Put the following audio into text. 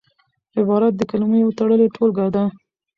عبارت د کلمو یو تړلې ټولګه ده.